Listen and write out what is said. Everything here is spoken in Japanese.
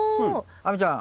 亜美ちゃん。